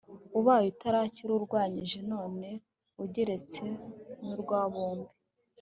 ubaye utarakira urwanyjye none ugeretseho nurwa bobi